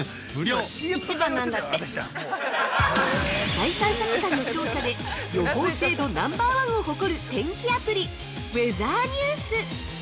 ◆第三者機関の調査で予報精度ナンバー１を誇る天気アプリ「ウェザーニュース」！